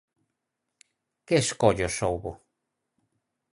Que escollos houbo?